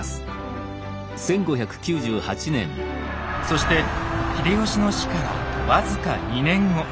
そして秀吉の死から僅か２年後。